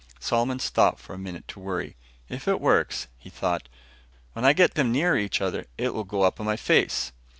Solomon stopped for a minute to worry. "If it works," he thought, "when I get them nearer each other, it'll go up in my face."